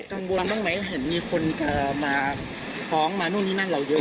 กลางบนบ้างไหมมีคนจะมาพ้องมานู่นนี่นั่งเหล่าเยอะ